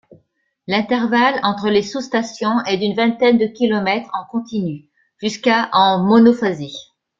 L'intervalle entre les sous-stations est d'une vingtaine de kilomètres en continu, jusqu'à en monophasé.